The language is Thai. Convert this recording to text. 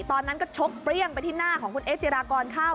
ตอนนั้นก็ชกเปรี้ยงไปที่หน้าของคุณเอ๊จิรากรเข้า